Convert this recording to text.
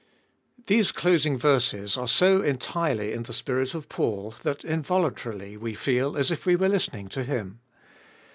THESE closing verses are so entirely in the spirit of Paul, that involuntarily we feel as if we were listening to him.